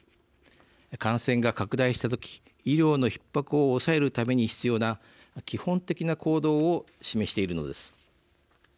感染が拡大した時医療のひっ迫を抑えるために必要な基本的な行動を示しているのです。